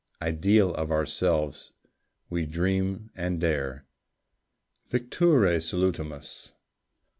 Ideal of ourselves! We dream and dare. Victuræ salutamus!